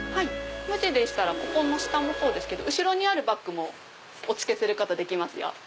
無地でしたらここの下のほうですけど後ろにあるバッグもお付けすることできますよ。